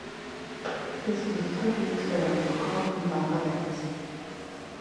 This was a totally experimental car from Daimler-Benz.